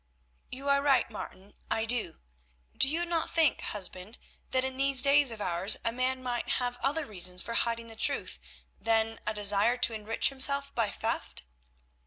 "You are right, Martin; I do. Do you not think, husband, that in these days of ours a man might have other reasons for hiding the truth than a desire to enrich himself by theft?"